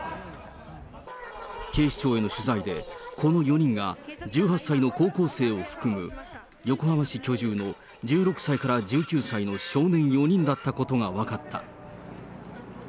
警視庁への取材で、この４人が１８歳の高校生を含む、横浜市居住の１６歳から１９歳の少年４人だったことが分かった。